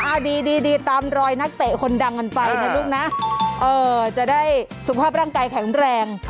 เอาดีดีตามรอยนักเตะคนดังกันไปนะลูกนะเออจะได้สุขภาพร่างกายแข็งแรง